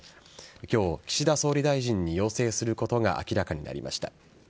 今日、岸田総理大臣に要請することが明らかになりました。